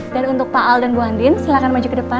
dan untuk pak al dan bu andin silahkan maju ke depan